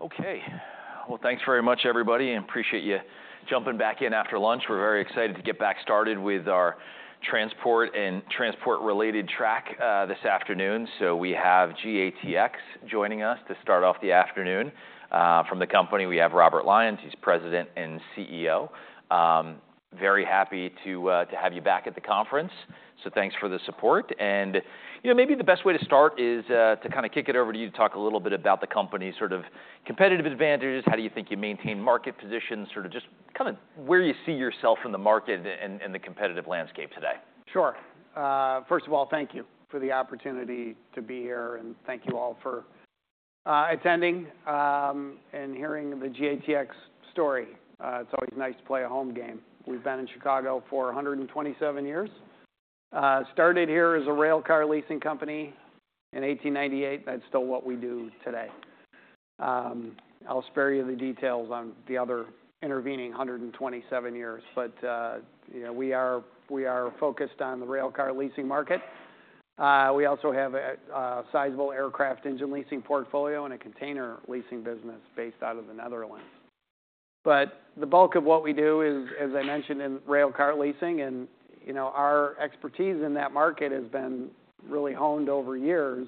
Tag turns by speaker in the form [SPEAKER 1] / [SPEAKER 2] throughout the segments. [SPEAKER 1] Okay. Thanks very much, everybody. I appreciate you jumping back in after lunch. We're very excited to get back started with our transport and transport-related track this afternoon. We have GATX joining us to start off the afternoon. From the company, we have Robert Lyons. He's President and CEO. Very happy to have you back at the conference. Thanks for the support. Maybe the best way to start is to kind of kick it over to you to talk a little bit about the company's sort of competitive advantages. How do you think you maintain market positions, sort of just kind of where you see yourself in the market and the competitive landscape today?
[SPEAKER 2] Sure. First of all, thank you for the opportunity to be here. Thank you all for attending and hearing the GATX story. It's always nice to play a home game. We've been in Chicago for 127 years. Started here as a railcar leasing company in 1898. That's still what we do today. I'll spare you the details on the other intervening 127 years. We are focused on the railcar leasing market. We also have a sizable aircraft engine leasing portfolio and a container leasing business based out of the Netherlands. The bulk of what we do is, as I mentioned, in railcar leasing. Our expertise in that market has been really honed over years.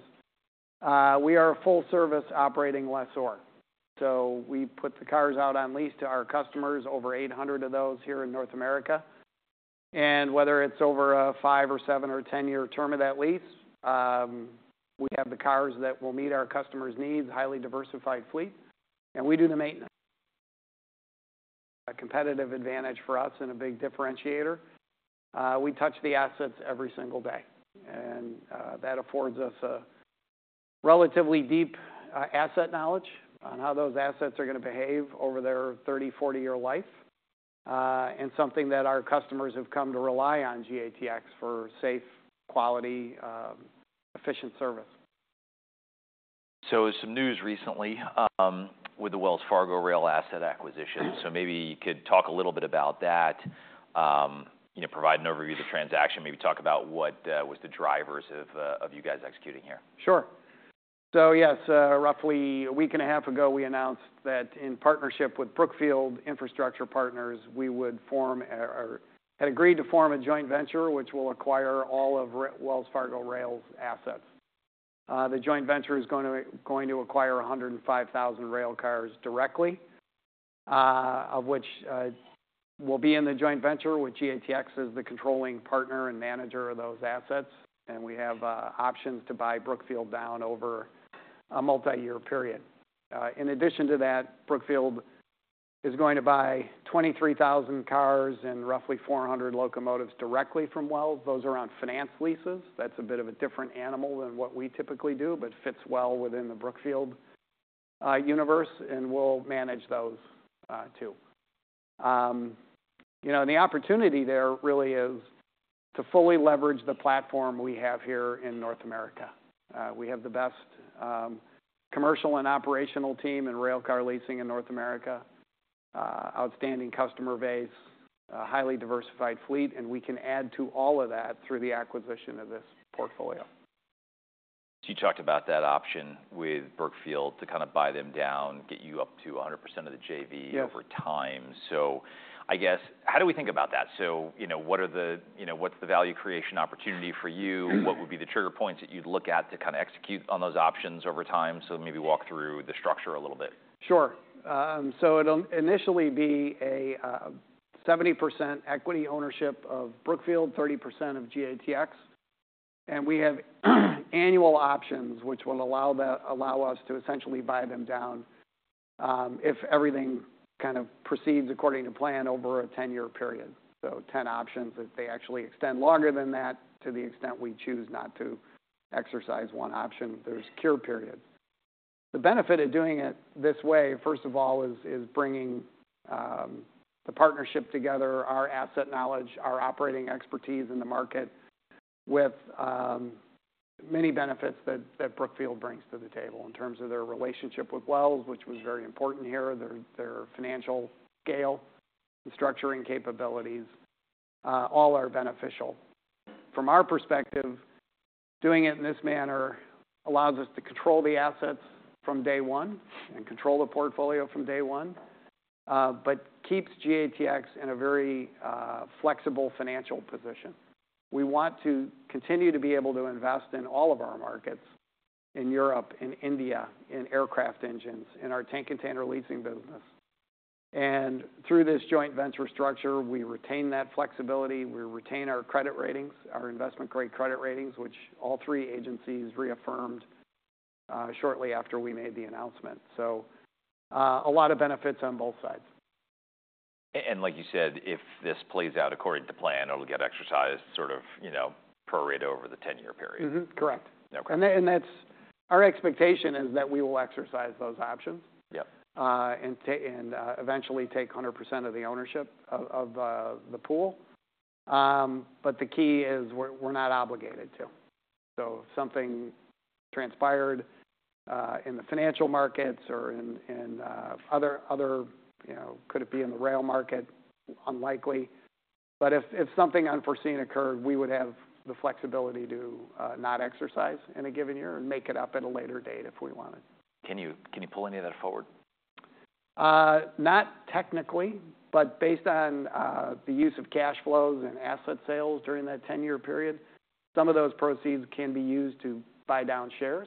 [SPEAKER 2] We are a full-service operating lessor. We put the cars out on lease to our customers, over 800 of those here in North America. Whether it is over a 5-year or 7-year or 10-year term of that lease, we have the cars that will meet our customers' needs, highly diversified fleet. We do the maintenance. A competitive advantage for us and a big differentiator. We touch the assets every single day. That affords us a relatively deep asset knowledge on how those assets are going to behave over their 30-year-40-year life. That is something that our customers have come to rely on GATX for: safe, quality, efficient service.
[SPEAKER 1] Some news recently with the Wells Fargo Rail asset acquisition. Maybe you could talk a little bit about that, provide an overview of the transaction. Maybe talk about what was the drivers of you guys executing here.
[SPEAKER 2] Sure. Yes, roughly a week and a half ago, we announced that in partnership with Brookfield Infrastructure Partners, we would form or had agreed to form a joint venture, which will acquire all of Wells Fargo Rail's assets. The joint venture is going to acquire 105,000 railcars directly, which will be in the joint venture with GATX as the controlling partner and manager of those assets. We have options to buy Brookfield down over a multi-year period. In addition to that, Brookfield is going to buy 23,000 cars and roughly 400 locomotives directly from Wells. Those are on finance leases. That is a bit of a different animal than what we typically do, but fits well within the Brookfield universe. We will manage those too. The opportunity there really is to fully leverage the platform we have here in North America. We have the best commercial and operational team in railcar leasing in North America, outstanding customer base, a highly diversified fleet. We can add to all of that through the acquisition of this portfolio.
[SPEAKER 1] You talked about that option with Brookfield to kind of buy them down, get you up to 100% of the JV over time. I guess, how do we think about that? What is the value creation opportunity for you? What would be the trigger points that you'd look at to kind of execute on those options over time? Maybe walk through the structure a little bit?
[SPEAKER 2] Sure. It'll initially be a 70% equity ownership of Brookfield, 30% of GATX. We have annual options, which will allow us to essentially buy them down if everything kind of proceeds according to plan over a 10-year period. 10 options. If they actually extend longer than that, to the extent we choose not to exercise one option, there's a cure period. The benefit of doing it this way, first of all, is bringing the partnership together, our asset knowledge, our operating expertise in the market, with many benefits that Brookfield brings to the table in terms of their relationship with Wells, which was very important here, their financial scale, and structuring capabilities. All are beneficial. From our perspective, doing it in this manner allows us to control the assets from day one and control the portfolio from day one, but keeps GATX in a very flexible financial position. We want to continue to be able to invest in all of our markets, in Europe, in India, in aircraft engines, in our tank container leasing business. Through this joint venture structure, we retain that flexibility. We retain our credit ratings, our investment-grade credit ratings, which all three agencies reaffirmed shortly after we made the announcement. A lot of benefits on both sides.
[SPEAKER 1] Like you said, if this plays out according to plan, it'll get exercised sort of prorated over the 10-year period?
[SPEAKER 2] Correct. Our expectation is that we will exercise those options and eventually take 100% of the ownership of the pool. The key is we're not obligated to. If something transpired in the financial markets or in other, could it be in the rail market? Unlikely. If something unforeseen occurred, we would have the flexibility to not exercise in a given year and make it up at a later date if we wanted.
[SPEAKER 1] Can you pull any of that forward?
[SPEAKER 2] Not technically, but based on the use of cash flows and asset sales during that 10-year period, some of those proceeds can be used to buy down shares.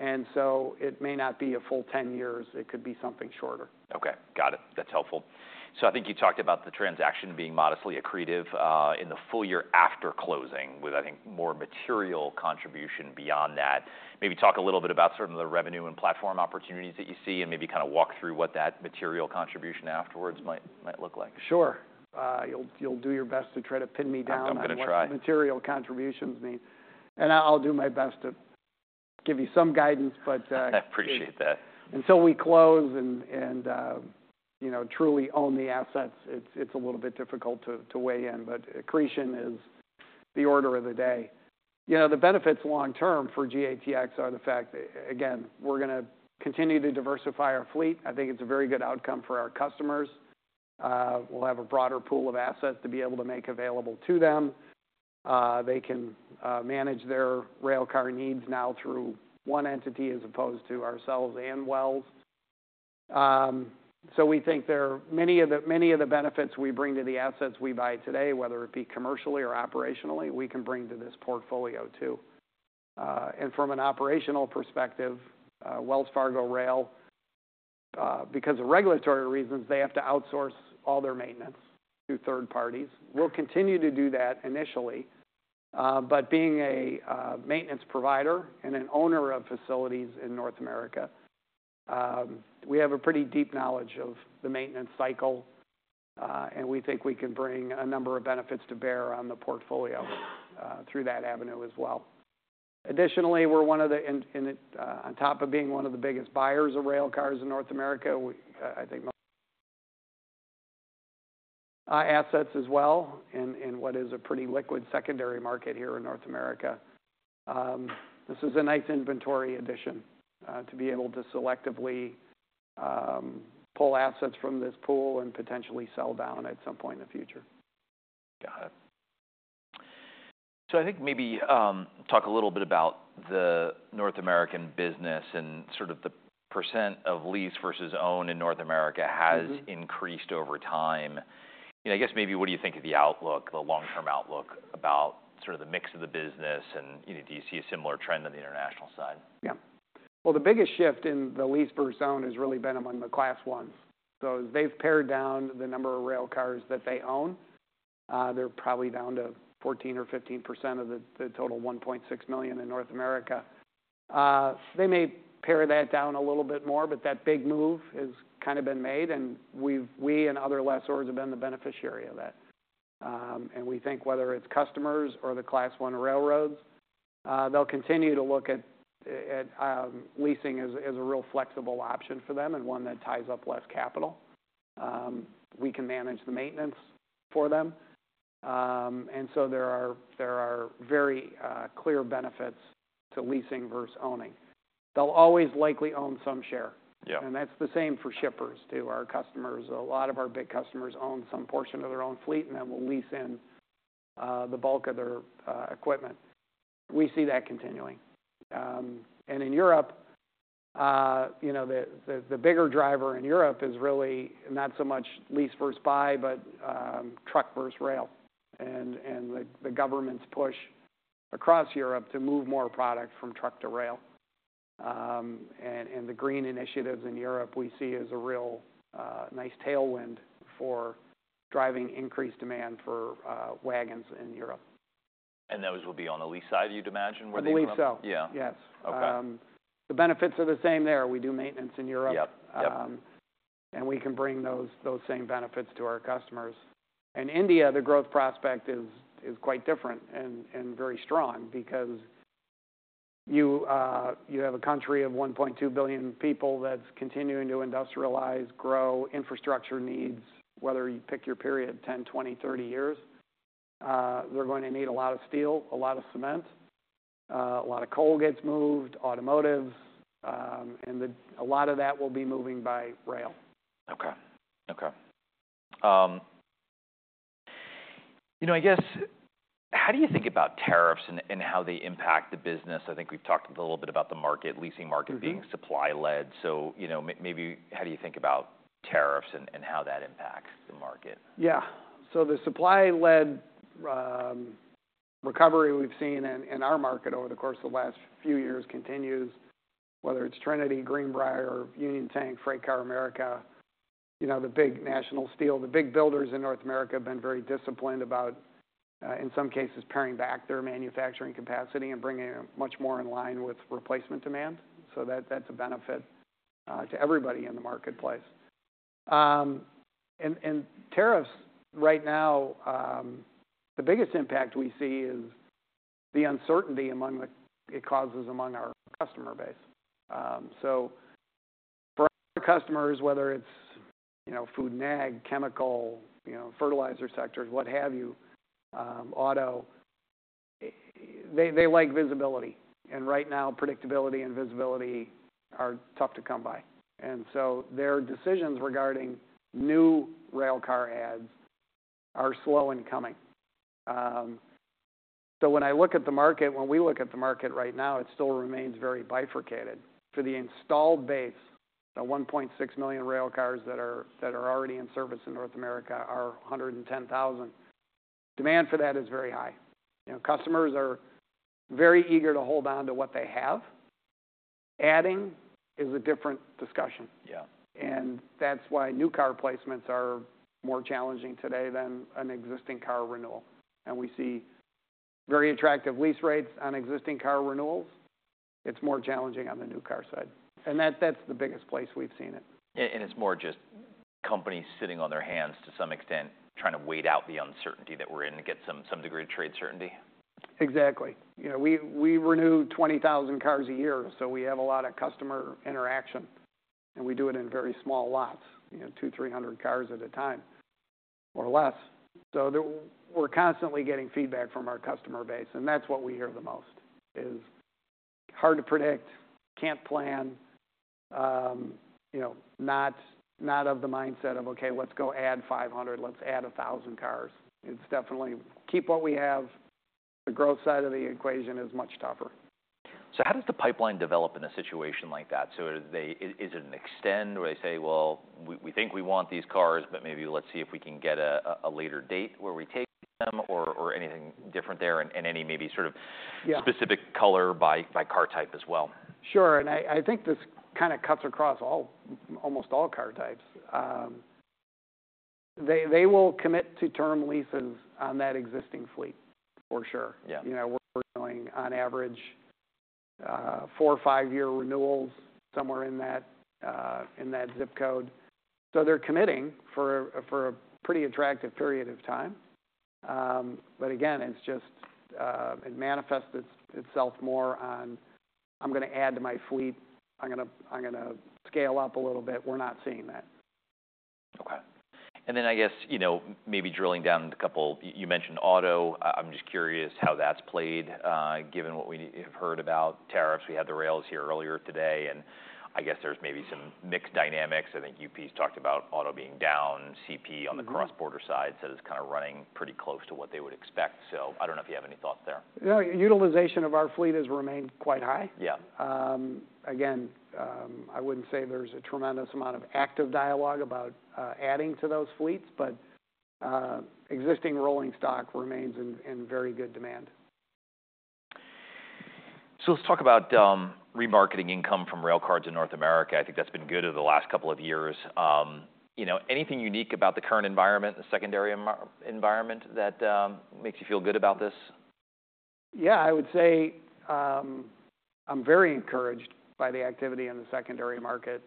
[SPEAKER 2] It may not be a full 10 years. It could be something shorter.
[SPEAKER 1] Okay. Got it. That's helpful. I think you talked about the transaction being modestly accretive in the full year after closing with, I think, more material contribution beyond that. Maybe talk a little bit about some of the revenue and platform opportunities that you see and maybe kind of walk through what that material contribution afterwards might look like.
[SPEAKER 2] Sure. You'll do your best to try to pin me down on what material contributions mean. I'll do my best to give you some guidance, but.
[SPEAKER 1] I appreciate that.
[SPEAKER 2] Until we close and truly own the assets, it's a little bit difficult to weigh in. Accretion is the order of the day. The benefits long-term for GATX are the fact that, again, we're going to continue to diversify our fleet. I think it's a very good outcome for our customers. We'll have a broader pool of assets to be able to make available to them. They can manage their railcar needs now through one entity as opposed to ourselves and Wells. We think many of the benefits we bring to the assets we buy today, whether it be commercially or operationally, we can bring to this portfolio too. From an operational perspective, Wells Fargo Rail, because of regulatory reasons, they have to outsource all their maintenance to third parties. We'll continue to do that initially. Being a maintenance provider and an owner of facilities in North America, we have a pretty deep knowledge of the maintenance cycle. We think we can bring a number of benefits to bear on the portfolio through that avenue as well. Additionally, on top of being one of the biggest buyers of railcars in North America, I think assets as well in what is a pretty liquid secondary market here in North America. This is a nice inventory addition to be able to selectively pull assets from this pool and potentially sell down at some point in the future.
[SPEAKER 1] Got it. I think maybe talk a little bit about the North American business and sort of the % of lease versus own in North America has increased over time. I guess maybe what do you think of the outlook, the long-term outlook about sort of the mix of the business? Do you see a similar trend on the international side?
[SPEAKER 2] Yeah. The biggest shift in the lease versus own has really been among the Class I railroads. As they've pared down the number of railcars that they own, they're probably down to 14% or 15% of the total $1.6 million in North America. They may pare that down a little bit more, but that big move has kind of been made. We and other lessors have been the beneficiary of that. We think whether it's customers or the Class I railroads, they'll continue to look at leasing as a real flexible option for them and one that ties up less capital. We can manage the maintenance for them. There are very clear benefits to leasing versus owning. They'll always likely own some share. That's the same for shippers too. Our customers, a lot of our big customers own some portion of their own fleet and then will lease in the bulk of their equipment. We see that continuing. In Europe, the bigger driver in Europe is really not so much lease versus buy, but truck versus rail. The government's push across Europe is to move more product from truck to rail. The Green Initiatives in Europe we see as a real nice tailwind for driving increased demand for wagons in Europe.
[SPEAKER 1] Those will be on the lease side, you'd imagine, where they will?
[SPEAKER 2] I believe so. Yes. The benefits are the same there. We do maintenance in Europe. We can bring those same benefits to our customers. In India, the growth prospect is quite different and very strong because you have a country of 1.2 billion people that is continuing to industrialize, grow, infrastructure needs, whether you pick your period 10 years, 20 years, 30 years. They are going to need a lot of steel, a lot of cement, a lot of coal gets moved, automotives. A lot of that will be moving by rail.
[SPEAKER 1] Okay. Okay. I guess, how do you think about tariffs and how they impact the business? I think we've talked a little bit about the market, leasing market being supply-led. Maybe how do you think about tariffs and how that impacts the market?
[SPEAKER 2] Yeah. The supply-led recovery we have seen in our market over the course of the last few years continues, whether it is Trinity, Greenbrier, Union Tank, FreightCar America, the big national steel, the big builders in North America have been very disciplined about, in some cases, paring back their manufacturing capacity and bringing it much more in line with replacement demand. That is a benefit to everybody in the marketplace. Tariffs right now, the biggest impact we see is the uncertainty it causes among our customer base. For our customers, whether it is food and ag, chemical, fertilizer sectors, what have you, auto, they like visibility. Right now, predictability and visibility are tough to come by. Their decisions regarding new railcar adds are slow in coming. When I look at the market, when we look at the market right now, it still remains very bifurcated. For the installed base, the 1.6 million railcars that are already in service in North America are 110,000. Demand for that is very high. Customers are very eager to hold on to what they have. Adding is a different discussion. That is why new car placements are more challenging today than an existing car renewal. We see very attractive lease rates on existing car renewals. It is more challenging on the new car side. That is the biggest place we have seen it.
[SPEAKER 1] Is it more just companies sitting on their hands to some extent, trying to wait out the uncertainty that we're in and get some degree of trade certainty?
[SPEAKER 2] Exactly. We renew 20,000 cars a year. We have a lot of customer interaction. We do it in very small lots, 200 cars, 300 cars at a time or less. We are constantly getting feedback from our customer base. That is what we hear the most, is hard to predict, cannot plan, not of the mindset of, "Okay, let's go add 500 cars. Let's add 1,000 cars." It is definitely keep what we have. The growth side of the equation is much tougher.
[SPEAKER 1] How does the pipeline develop in a situation like that? Is it an extent where they say, "Well, we think we want these cars, but maybe let's see if we can get a later date where we take them," or anything different there? Any maybe sort of specific color by car type as well?
[SPEAKER 2] Sure. I think this kind of cuts across almost all car types. They will commit to term leases on that existing fleet, for sure. We're doing on average four-year or five-year renewals somewhere in that zip code. They are committing for a pretty attractive period of time. Again, it just manifests itself more on, "I'm going to add to my fleet. I'm going to scale up a little bit." We're not seeing that.
[SPEAKER 1] Okay. I guess maybe drilling down a couple, you mentioned auto. I'm just curious how that's played given what we have heard about tariffs. We had the rails here earlier today. I guess there's maybe some mixed dynamics. I think UP's talked about auto being down. CP on the cross-border side said it's kind of running pretty close to what they would expect. I don't know if you have any thoughts there.
[SPEAKER 2] Yeah. Utilization of our fleet has remained quite high.
[SPEAKER 1] Yeah.
[SPEAKER 2] Again, I would not say there is a tremendous amount of active dialogue about adding to those fleets, but existing rolling stock remains in very good demand.
[SPEAKER 1] Let's talk about remarketing income from railcars in North America. I think that's been good over the last couple of years. Anything unique about the current environment, the secondary environment that makes you feel good about this?
[SPEAKER 2] Yeah. I would say I'm very encouraged by the activity in the secondary market,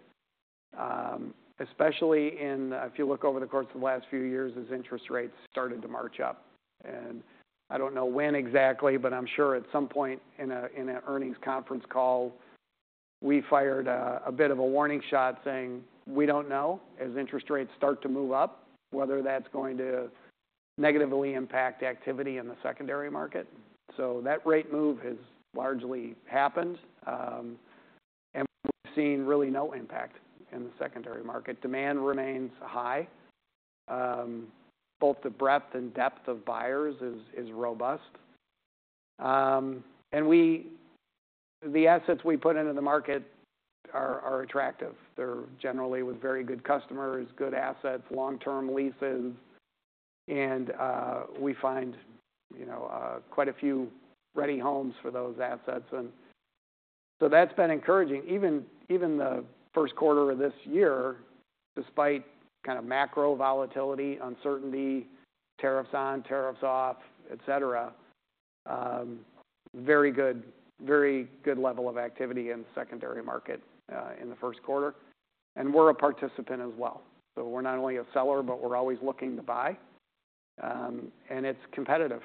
[SPEAKER 2] especially if you look over the course of the last few years, as interest rates started to march up. I don't know when exactly, but I'm sure at some point in an earnings conference call, we fired a bit of a warning shot saying, "We don't know as interest rates start to move up, whether that's going to negatively impact activity in the secondary market." That rate move has largely happened. We've seen really no impact in the secondary market. Demand remains high. Both the breadth and depth of buyers is robust. The assets we put into the market are attractive. They're generally with very good customers, good assets, long-term leases. We find quite a few ready homes for those assets. That's been encouraging. Even the Q1 of this year, despite kind of macro volatility, uncertainty, tariffs on, tariffs off, etc., very good level of activity in the secondary market in the Q1. We are a participant as well. We are not only a seller, but we are always looking to buy. It is competitive.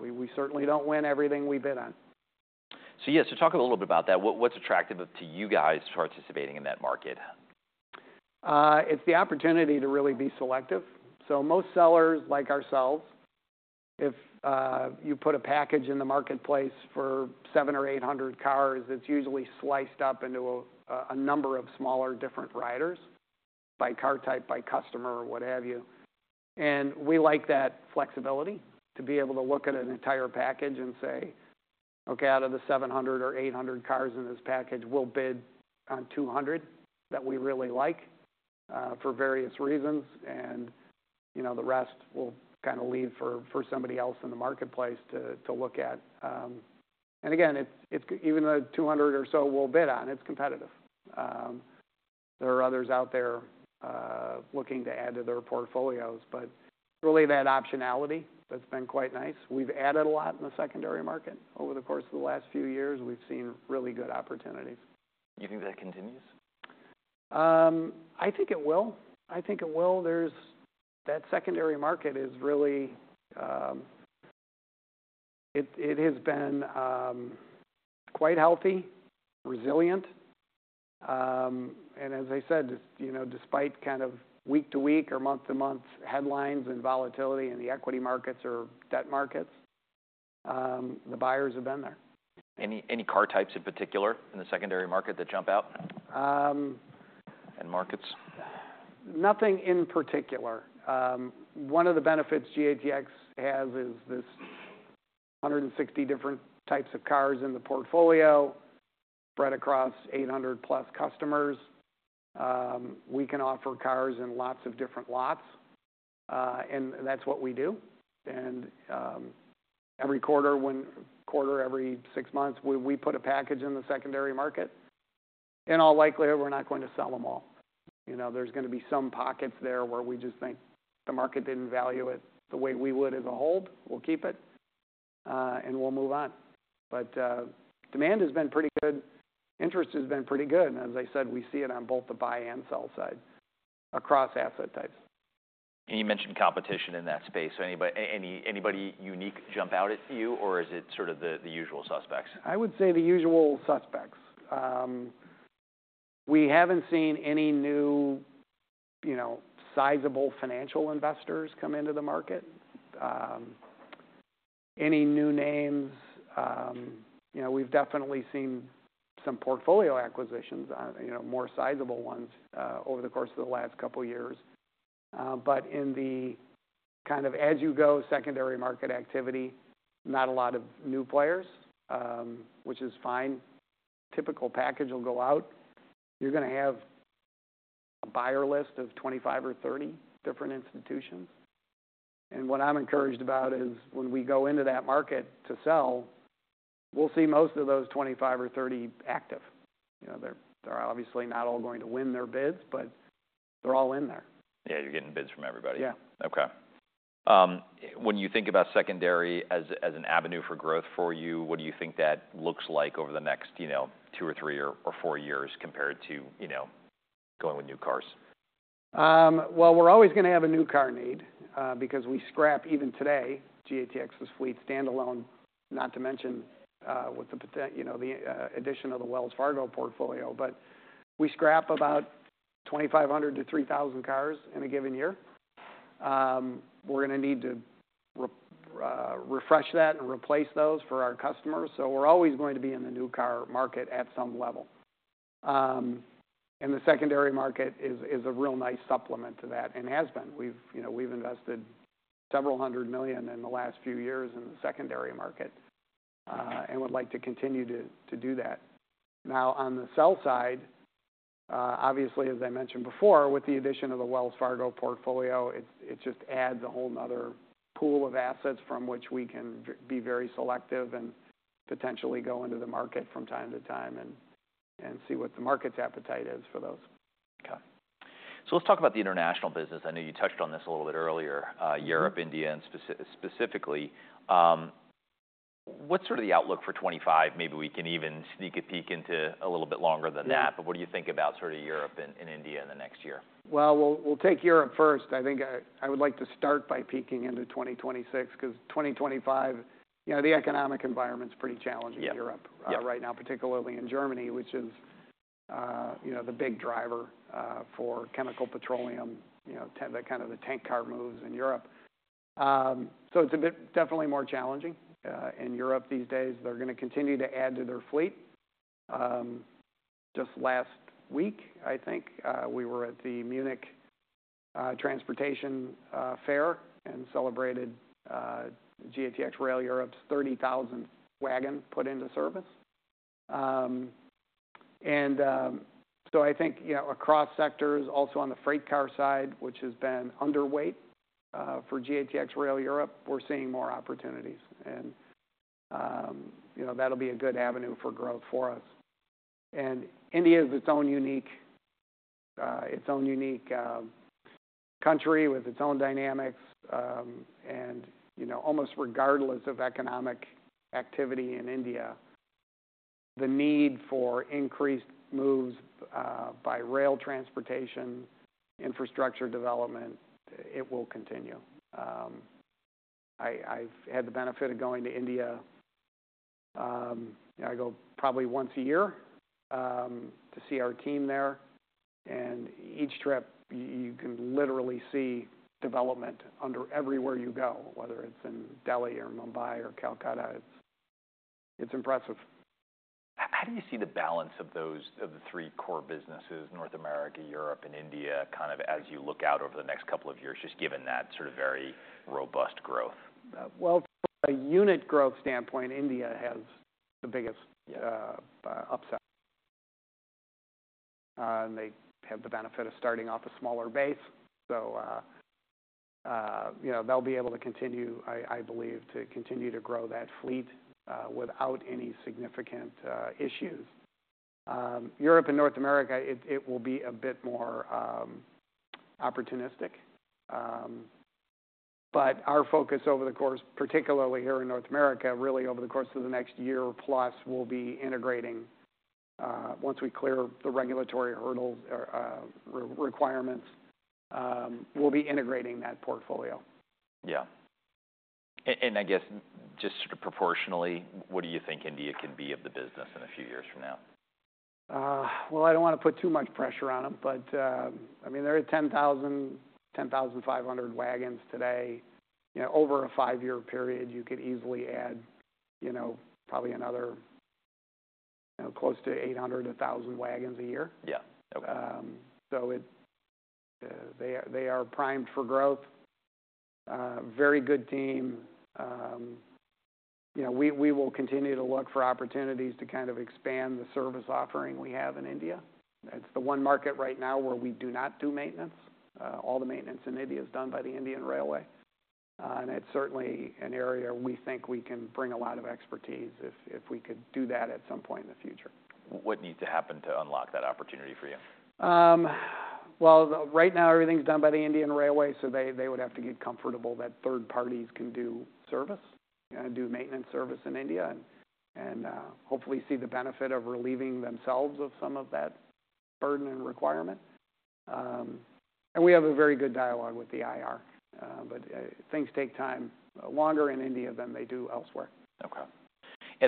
[SPEAKER 2] We certainly do not win everything we bid on.
[SPEAKER 1] Yeah, so talk a little bit about that. What's attractive to you guys participating in that market?
[SPEAKER 2] It's the opportunity to really be selective. Most sellers, like ourselves, if you put a package in the marketplace for 700 cars or 800 cars, it's usually sliced up into a number of smaller different riders by car type, by customer, what have you. We like that flexibility to be able to look at an entire package and say, "Okay, out of the 700 cars or 800 cars in this package, we'll bid on 200 cars that we really like for various reasons. The rest we'll kind of leave for somebody else in the marketplace to look at." Again, even the 200 cars or so we'll bid on, it's competitive. There are others out there looking to add to their portfolios. Really that optionality has been quite nice. We've added a lot in the secondary market over the course of the last few years. We've seen really good opportunities.
[SPEAKER 1] Do you think that continues?
[SPEAKER 2] I think it will. That secondary market has really been quite healthy, resilient. As I said, despite kind of week-to-week or month-to-month headlines and volatility in the equity markets or debt markets, the buyers have been there.
[SPEAKER 1] Any car types in particular in the secondary market that jump out and markets?
[SPEAKER 2] Nothing in particular. One of the benefits GATX has is this 160 different types of cars in the portfolio spread across 800 + customers. We can offer cars in lots of different lots. That is what we do. Every quarter, every six months, we put a package in the secondary market. In all likelihood, we're not going to sell them all. There is going to be some pockets there where we just think the market did not value it the way we would as a whole. We will keep it. We will move on. Demand has been pretty good. Interest has been pretty good. As I said, we see it on both the buy and sell side across asset types.
[SPEAKER 1] You mentioned competition in that space. Anybody unique jump out at you, or is it sort of the usual suspects?
[SPEAKER 2] I would say the usual suspects. We have not seen any new sizable financial investors come into the market, any new names. We have definitely seen some portfolio acquisitions, more sizable ones over the course of the last couple of years. In the kind of as-you-go secondary market activity, not a lot of new players, which is fine. A typical package will go out. You are going to have a buyer list of 25 or 30 different institutions. What I am encouraged about is when we go into that market to sell, we will see most of those 25 or 30 active. They are obviously not all going to win their bids, but they are all in there.
[SPEAKER 1] Yeah. You're getting bids from everybody.
[SPEAKER 2] Yeah.
[SPEAKER 1] Okay. When you think about secondary as an avenue for growth for you, what do you think that looks like over the next two or three or four years compared to going with new cars?
[SPEAKER 2] We're always going to have a new car need because we scrap, even today, GATX's fleet standalone, not to mention with the addition of the Wells Fargo Rail portfolio. We scrap about 2,500 cars-3,000 cars in a given year. We're going to need to refresh that and replace those for our customers. We're always going to be in the new car market at some level. The secondary market is a real nice supplement to that and has been. We've invested several hundred million in the last few years in the secondary market and would like to continue to do that. Now, on the sell side, obviously, as I mentioned before, with the addition of the Wells Fargo Rail portfolio, it just adds a whole another pool of assets from which we can be very selective and potentially go into the market from time to time and see what the market's appetite is for those.
[SPEAKER 1] Okay. So let's talk about the international business. I know you touched on this a little bit earlier, Europe, India, and specifically. What's sort of the outlook for 2025? Maybe we can even sneak a peek into a little bit longer than that. But what do you think about sort of Europe and India in the next year?
[SPEAKER 2] I think I would like to start by peeking into 2026 because 2025, the economic environment is pretty challenging in Europe right now, particularly in Germany, which is the big driver for chemical petroleum, kind of the tank car moves in Europe. It is definitely more challenging in Europe these days. They are going to continue to add to their fleet. Just last week, I think, we were at the Munich Transportation Fair and celebrated GATX Rail Europe's 30,000th wagon put into service. I think across sectors, also on the freight car side, which has been underweight for GATX Rail Europe, we are seeing more opportunities. That will be a good avenue for growth for us. India is its own unique country with its own dynamics. Almost regardless of economic activity in India, the need for increased moves by rail transportation, infrastructure development, it will continue. I've had the benefit of going to India. I go probably once a year to see our team there. Each trip, you can literally see development under everywhere you go, whether it's in Delhi or Mumbai or Calcutta. It's impressive.
[SPEAKER 1] How do you see the balance of the three core businesses, North America, Europe, and India, kind of as you look out over the next couple of years, just given that sort of very robust growth?
[SPEAKER 2] From a unit growth standpoint, India has the biggest upset. They have the benefit of starting off a smaller base, so they'll be able to continue, I believe, to continue to grow that fleet without any significant issues. Europe and North America, it will be a bit more opportunistic. Our focus over the course, particularly here in North America, really over the course of the next year or +, will be integrating once we clear the regulatory requirements. We'll be integrating that portfolio.
[SPEAKER 1] Yeah. I guess just sort of proportionally, what do you think India can be of the business in a few years from now?
[SPEAKER 2] I do not want to put too much pressure on them. I mean, there are 10,000 wagons-10,500 wagons today. Over a five-year period, you could easily add probably another close to 800 wagons-1,000 wagons a year. They are primed for growth, very good team. We will continue to look for opportunities to kind of expand the service offering we have in India. It is the one market right now where we do not do maintenance. All the maintenance in India is done by the Indian Railway. It is certainly an area we think we can bring a lot of expertise if we could do that at some point in the future.
[SPEAKER 1] What needs to happen to unlock that opportunity for you?
[SPEAKER 2] Right now, everything's done by the Indian Railway. They would have to get comfortable that third parties can do service, do maintenance service in India, and hopefully see the benefit of relieving themselves of some of that burden and requirement. We have a very good dialogue with the IR. Things take time longer in India than they do elsewhere.
[SPEAKER 1] Okay.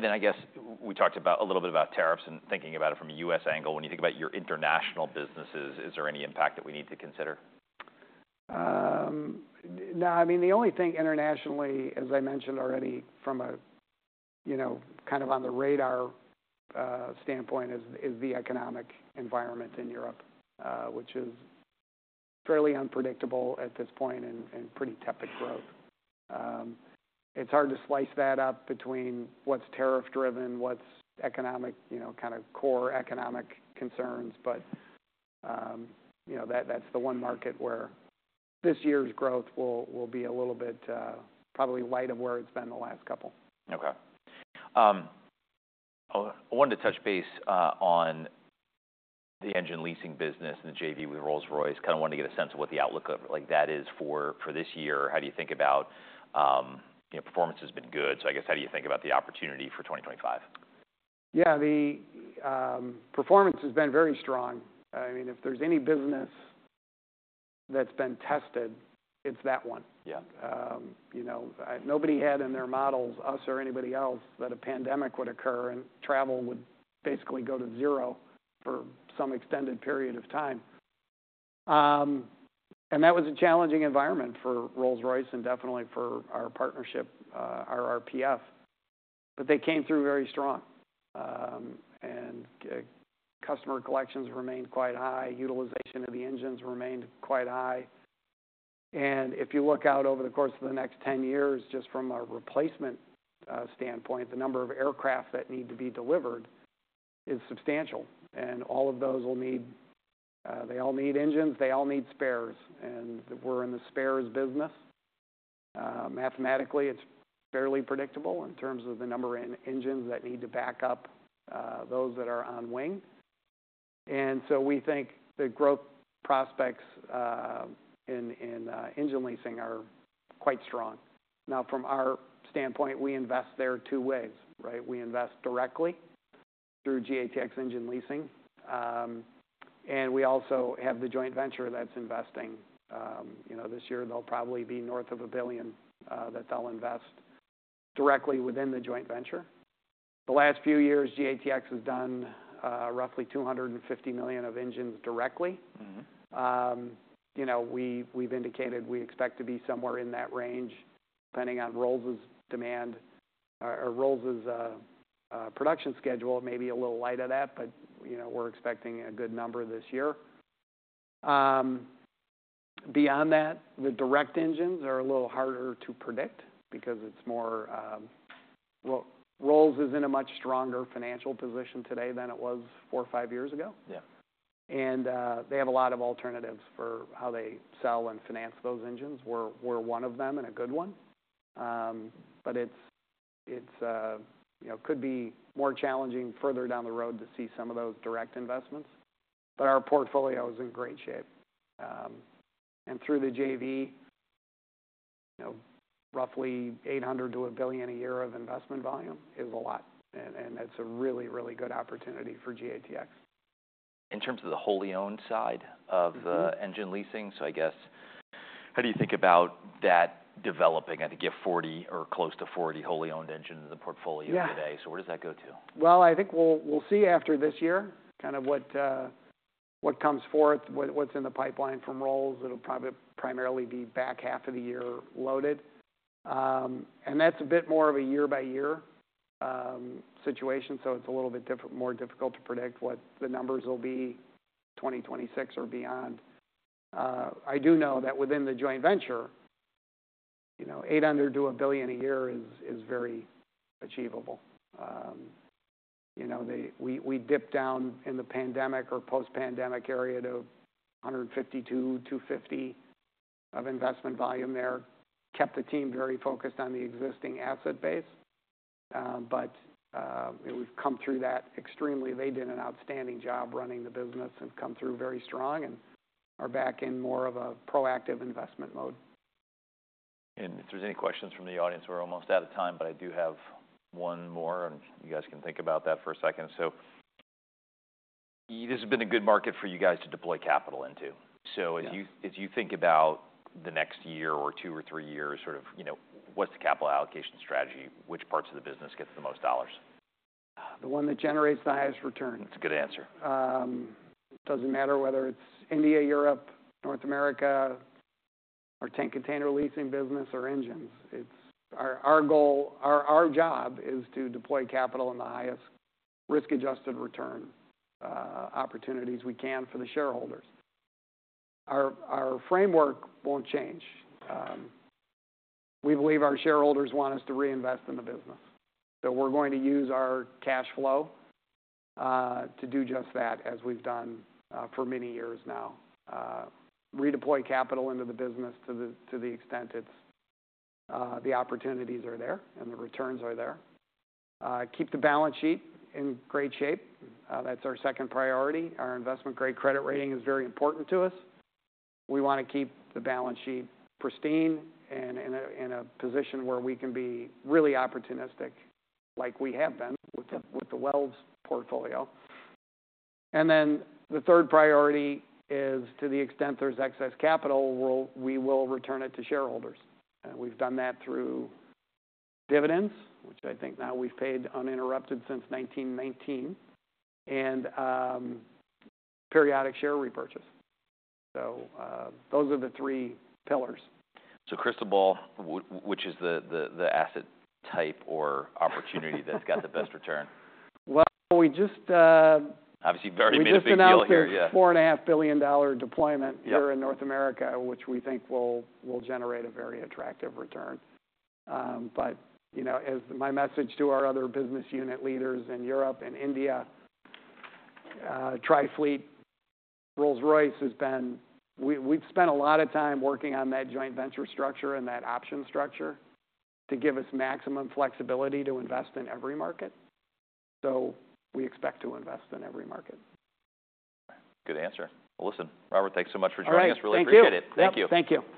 [SPEAKER 1] I guess we talked a little bit about tariffs and thinking about it from a U.S. angle. When you think about your international businesses, is there any impact that we need to consider?
[SPEAKER 2] No. I mean, the only thing internationally, as I mentioned already, from a kind of on-the-radar standpoint, is the economic environment in Europe, which is fairly unpredictable at this point and pretty tepid growth. It's hard to slice that up between what's tariff-driven, what's economic, kind of core economic concerns. But that's the one market where this year's growth will be a little bit probably light of where it's been the last couple.
[SPEAKER 1] Okay. I wanted to touch base on the engine leasing business and the JV with Rolls-Royce. Kind of wanted to get a sense of what the outlook that is for this year. How do you think about performance has been good. So I guess how do you think about the opportunity for 2025?
[SPEAKER 2] Yeah. The performance has been very strong. I mean, if there's any business that's been tested, it's that one. Nobody had in their models, us or anybody else, that a pandemic would occur and travel would basically go to zero for some extended period of time. That was a challenging environment for Rolls-Royce and definitely for our partnership, our RPF. They came through very strong. Customer collections remained quite high. Utilization of the engines remained quite high. If you look out over the course of the next 10 years, just from a replacement standpoint, the number of aircraft that need to be delivered is substantial. All of those will need, they all need engines. They all need spares. We're in the spares business. Mathematically, it's fairly predictable in terms of the number of engines that need to back up those that are on wing. We think the growth prospects in engine leasing are quite strong. Now, from our standpoint, we invest there two ways, right? We invest directly through GATX engine leasing. We also have the joint venture that is investing. This year, there will probably be north of $1 billion that they will invest directly within the joint venture. The last few years, GATX has done roughly $250 million of engines directly. We have indicated we expect to be somewhere in that range depending on Rolls' demand or Rolls' production schedule. It may be a little light of that, but we are expecting a good number this year. Beyond that, the direct engines are a little harder to predict because it is more Rolls is in a much stronger financial position today than it was four or five years ago. They have a lot of alternatives for how they sell and finance those engines. We're one of them and a good one. It could be more challenging further down the road to see some of those direct investments. Our portfolio is in great shape. Through the JV, roughly $800 million-$1 billion a year of investment volume is a lot. That's a really, really good opportunity for GATX.
[SPEAKER 1] In terms of the wholly owned side of engine leasing, so I guess. How do you think about that developing? I think you have 40 wholly owned engines or close to 40 wholly owned engines in the portfolio today. Where does that go to?
[SPEAKER 2] I think we'll see after this year kind of what comes forth, what's in the pipeline from Rolls. It'll probably primarily be back half of the year loaded. That's a bit more of a year-by-year situation. It's a little bit more difficult to predict what the numbers will be 2026 or beyond. I do know that within the joint venture, $800 million-$1 billion a year is very achievable. We dipped down in the pandemic or post-pandemic area to $152 million-$250 million of investment volume there, kept the team very focused on the existing asset base. We've come through that extremely. They did an outstanding job running the business and come through very strong and are back in more of a proactive investment mode.
[SPEAKER 1] If there are any questions from the audience, we're almost out of time, but I do have one more. You guys can think about that for a second. This has been a good market for you guys to deploy capital into. As you think about the next year or two or three years, sort of what's the capital allocation strategy? Which parts of the business get the most dollars?
[SPEAKER 2] The one that generates the highest return.
[SPEAKER 1] That's a good answer.
[SPEAKER 2] It doesn't matter whether it's India, Europe, North America, our tank container leasing business, or engines. Our job is to deploy capital in the highest risk-adjusted return opportunities we can for the shareholders. Our framework won't change. We believe our shareholders want us to reinvest in the business. We're going to use our cash flow to do just that as we've done for many years now, redeploy capital into the business to the extent the opportunities are there and the returns are there, keep the balance sheet in great shape. That's our second priority. Our investment-grade credit rating is very important to us. We want to keep the balance sheet pristine and in a position where we can be really opportunistic like we have been with the Wells portfolio. The third priority is to the extent there's excess capital, we will return it to shareholders. We have done that through dividends, which I think now we have paid uninterrupted since 1919, and periodic share repurchase. Those are the three pillars.
[SPEAKER 1] Crystal ball, which is the asset type or opportunity that's got the best return?
[SPEAKER 2] We just.
[SPEAKER 1] Obviously, very midfield here.
[SPEAKER 2] We just announced a $4.5 billion deployment here in North America, which we think will generate a very attractive return. As my message to our other business unit leaders in Europe and India, TriFleet, Rolls-Royce, we have spent a lot of time working on that joint venture structure and that option structure to give us maximum flexibility to invest in every market. We expect to invest in every market.
[SPEAKER 1] Good answer. Listen, Robert, thanks so much for joining us. Really appreciate it.
[SPEAKER 2] Thank you.
[SPEAKER 1] Thank you.
[SPEAKER 2] Thank you.